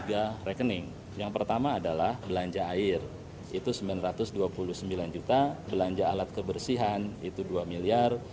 ada rekening yang pertama adalah belanja air itu sembilan ratus dua puluh sembilan juta belanja alat kebersihan itu dua miliar